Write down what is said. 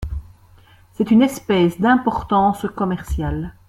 C'est une espèce d'importance commerciale.